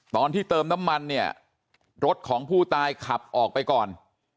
ตอนที่เติมน้ำมันเนี่ยรถของผู้ตายขับออกไปก่อน